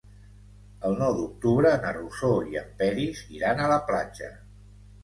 El nou d'octubre na Rosó i en Peris iran a la platja.